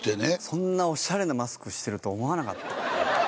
そんなおしゃれなマスクしてると思わなかったんで。